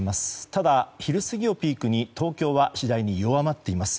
ただ、昼過ぎをピークに東京は次第に弱まっています。